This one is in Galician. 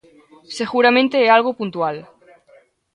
Seguramente é algo puntual.